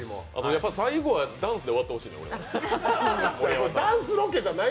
やっぱり最後はダンスで終わってほしいな。